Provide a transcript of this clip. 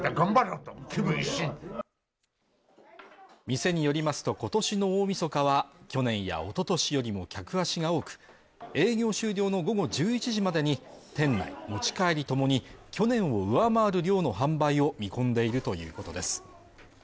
店によりますと今年の大みそか日は去年やおととしよりも客足が多く営業終了の午後１１時までに店内、持ち帰りともに去年を上回る量の販売を見込んでいるということです。